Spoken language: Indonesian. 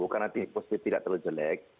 karena positif tidak terlalu jelek